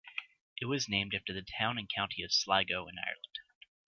It was named after the town and county of Sligo in Ireland.